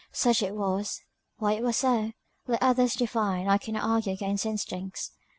Such it was why it was so, let others define, I cannot argue against instincts.